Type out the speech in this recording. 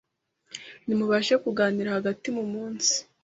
ntimubashe kuganira hagati mu munsi